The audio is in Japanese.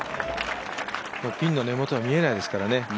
ピンの根元は見えないですからね。